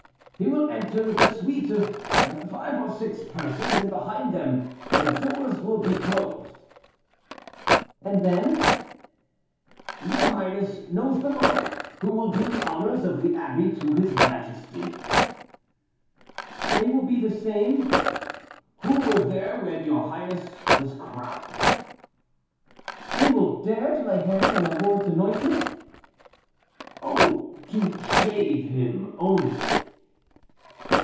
"He will enter with a suite of five or six persons, and behind them, the doors will be closed." "And then " "Your highness knows the monks who will do the honors of the Abbey to his majesty." "They will be the same " "Who were there when your highness was crowned." "They will dare to lay hands on the Lord's anointed?" "Oh! to shave him, only."